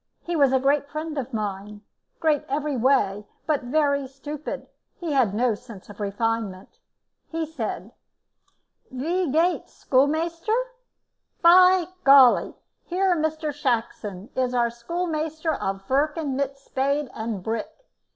He was a great friend of mine, great every way, but very stupid; he had no sense of refinement. He said: "Ve gates, schoolmeister? Py golly! Here, Mr. Shackson, is our schoolmeister a vurkin mit spade and bick.